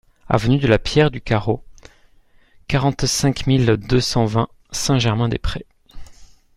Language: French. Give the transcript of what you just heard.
Avenue de la Pierre du Carreau, quarante-cinq mille deux cent vingt Saint-Germain-des-Prés